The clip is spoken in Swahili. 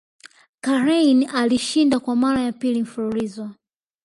KarlHeine alishinda Kwa mara ya pili mfululizo